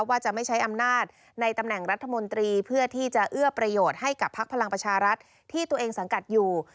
ว่าจะไม่ใช้อำนาจในตำแหน่งรัฐมนตรีเพื่อที่จะเอื้อประโยชน์ให้กับพักพลังประชารัฐที่ตัวเองสังกัดอยู่